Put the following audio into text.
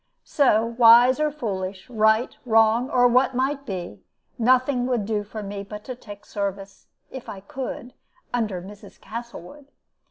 So, wise or foolish, right, wrong, or what might be, nothing would do for me but to take service, if I could, under Mrs. Castlewood.